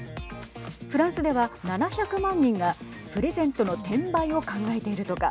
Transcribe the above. フランスでは７００万人がプレゼントの転売を考えているとか。